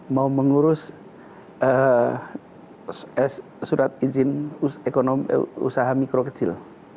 mau mengurus surat izin usaha mikro kecil